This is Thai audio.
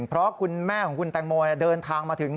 เพราะคุณแม่ของคุณแตงโมเดินทางมาถึง